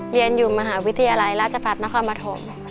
เรียนอยู่มหาวิทยาลัยราชพัฒนครปฐม